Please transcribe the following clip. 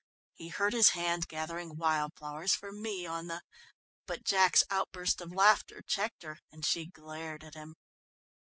"He hurt his hand gathering wild flowers for me on the " But Jack's outburst of laughter checked her, and she glared at him.